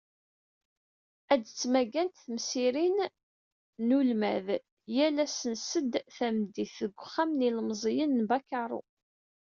Ad d-ttmagant temsirin n ulmad yal ass n sed tameddit, deg Uxxam n yilemẓiyen n Bakaru.